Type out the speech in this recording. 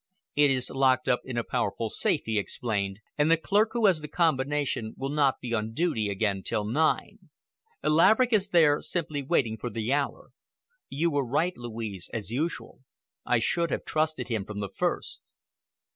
"It is locked up in a powerful safe," he explained, "and the clerk who has the combination will not be on duty again till nine. Laverick is there simply waiting for the hour. You were right, Louise, as usual. I should have trusted him from the first."